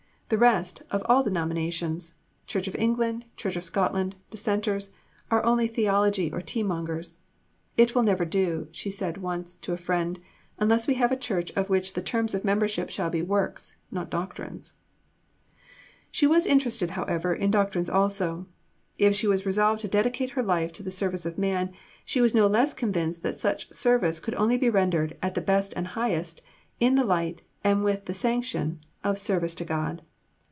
The rest, of all denominations Church of England, Church of Scotland, Dissenters are only theology or tea mongers." "It will never do," she once said to a friend, "unless we have a Church of which the terms of membership shall be works, not doctrines." Life of Lord Houghton, by T. Wemyss Reid, vol. i. p. 524. She was interested, however, in doctrines also. If she was resolved to dedicate her life to the Service of Man, she was no less convinced that such service could only be rendered, at the best and highest, in the light, and with the sanction, of Service to God.